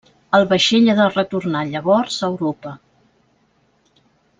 El vaixell ha de retornar llavors a Europa.